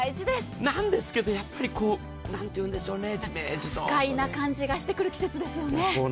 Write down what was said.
なんですけど、やっぱりこう、なんていうんでしょうね、ジメッと不快な感じがしてくる季節ですよね。